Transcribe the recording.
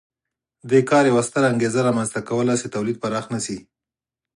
دې کار یوه ستره انګېزه رامنځته کوله چې تولید پراخ نه شي